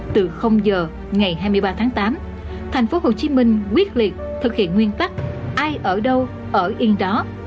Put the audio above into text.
từ giờ ngày hai mươi ba tháng tám thành phố hồ chí minh quyết liệt thực hiện nguyên tắc ai ở đâu ở yên đó